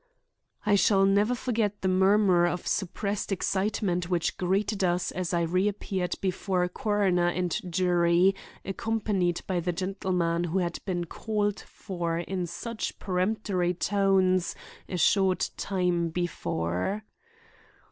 I shall never forget the murmur of suppressed excitement which greeted us as I reappeared before coroner and jury accompanied by the gentleman who had been called for in such peremptory tones a short time before.